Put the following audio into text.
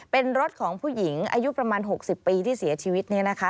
เป็นรถของผู้หญิงอายุประมาณ๖๐ปีที่เสียชีวิตเนี่ยนะคะ